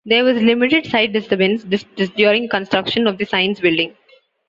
There was limited site disturbance during construction of the science building.